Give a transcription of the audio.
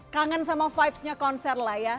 kangen sama vibesnya konser lah ya